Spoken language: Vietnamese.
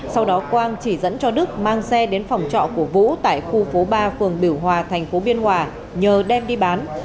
sau đó quang chỉ dẫn cho đức mang xe đến phòng trọ của vũ tại khu phố ba phường biểu hòa thành phố biên hòa nhờ đem đi bán